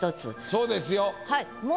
そうですよ。